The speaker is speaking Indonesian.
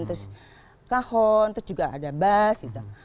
terus kahon terus juga ada bas gitu